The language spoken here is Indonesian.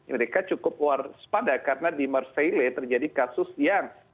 mereka cukup waspada karena di marcele terjadi kasus yang